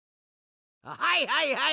はいはいはい！